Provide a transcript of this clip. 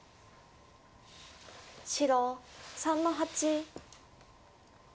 白３の八。